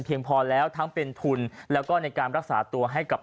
พอแล้วทั้งเป็นทุนแล้วก็ในการรักษาตัวให้กับ